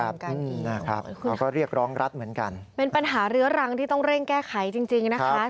เป็นปัญหาเรื้อรังที่ต้องเร่งแก้ไขจริงนะคะ